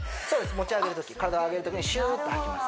持ち上げるとき体を上げるときにシューッと吐きます